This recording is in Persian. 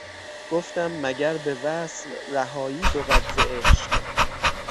گفتم مگر به وصل رهایی بود ز عشق